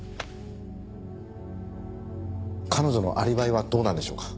彼女のアリバイはどうなんでしょうか？